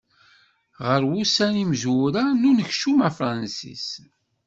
Ɣer wussan imezwura n unekcum afransis.